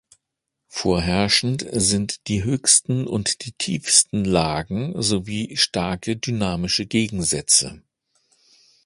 Vorherrschend sind die höchsten und die tiefsten Lagen sowie starke dynamische Gegensätze.